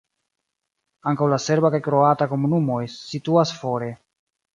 Ankaŭ la serba kaj kroata komunumoj situas fore.